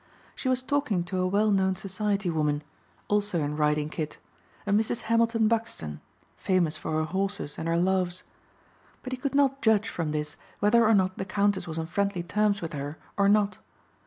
She was talking to a well known society woman, also in riding kit, a Mrs. Hamilton Buxton, famous for her horses and her loves. But he could not judge from this whether or not the Countess was on friendly terms with her or not.